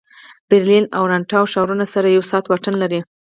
برلین او راتناو ښارونه سره یو ساعت واټن لري